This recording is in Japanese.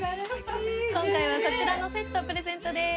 今回はこちらのセットをプレゼントです。